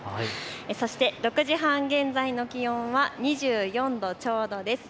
そして６時半現在の気温が２４度ちょうどです。